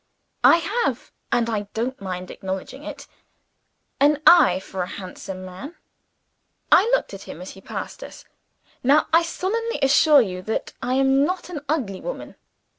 I have, and I don't mind acknowledging it, an eye for a handsome man. I looked at him as he passed us. Now I solemnly assure you, I am not an ugly woman.